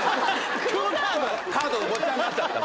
カードとごっちゃになっちゃった。